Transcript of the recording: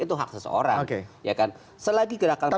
itu hak seseorang